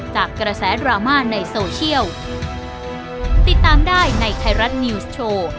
กระแสดราม่าในโซเชียลติดตามได้ในไทยรัฐนิวส์โชว์